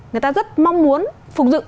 người ta rất mong muốn phục dụng